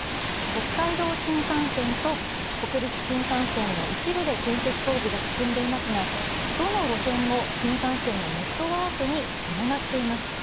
北海道新幹線と北陸新幹線の一部で建設工事が進んでいますが、どの路線も新幹線のネットワークにつながっています。